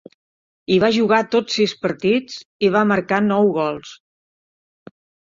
Hi va jugar tots sis partits, i va marcar nou gols.